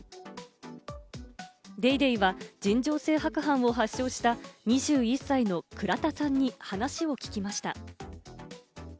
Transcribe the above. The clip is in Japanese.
『ＤａｙＤａｙ．』は尋常性白斑を発症した２１歳の倉田さんに話を聞きました。